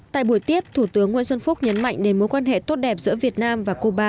tại buổi tiếp thủ tướng nguyễn xuân phúc nhấn mạnh nền mối quan hệ tốt đẹp giữa việt nam và cuba